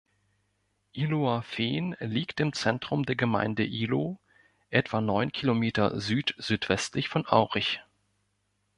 Ihlowerfehn liegt im Zentrum der Gemeinde Ihlow, etwa neun Kilometer südsüdwestlich von Aurich.